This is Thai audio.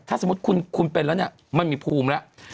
ถ้าสมมุติคุณเป็นแล้วเนี่ยมันมีภูมิแล้ว